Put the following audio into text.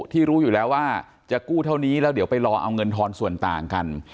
ที่รู้อยู่แล้วว่าจะกู้เท่านี้แล้วเดี๋ยวไปรอเอาเงินทอนส่วนต่างกัน